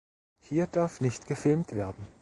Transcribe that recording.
Hier darf nicht gefilmt werden